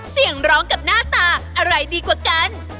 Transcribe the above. เสียงร้องกับหน้าตาอะไรดีกว่ากัน